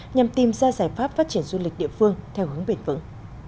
nhằm tìm ra giải pháp phát triển du lịch địa phương theo hướng bền vững